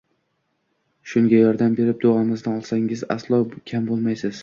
Shunga yordam berib, duomizni olsangiz, aslo kam bo`lmaysiz